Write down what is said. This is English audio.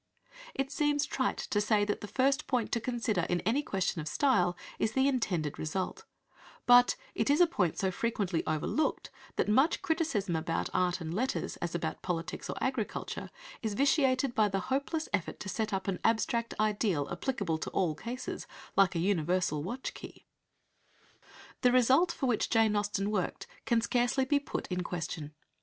It seems trite to say that the first point to consider in any question of style is the intended result, but it is a point so frequently overlooked that much criticism about art and letters, as about politics or agriculture, is vitiated by the hopeless effort to set up an abstract ideal applicable to all cases, like a universal watch key. The result for which Jane Austen worked can scarcely be put in question.